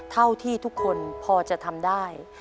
เท่าที่ทุกคนพอจะทำได้